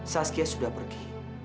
saskia sudah pergi